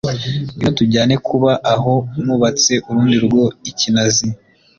ngwino tujyane kuba aho nubatse urundi rugo i Kinazi,